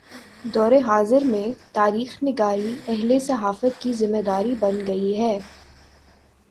دور حاضر میں تاریخ نگاری اہل صحافت کی ذمہ داری بن گئی ہے۔